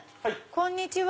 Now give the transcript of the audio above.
こんにちは。